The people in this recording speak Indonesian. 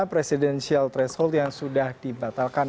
presidensial threshold yang sudah dibatalkan